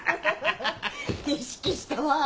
意識したわー。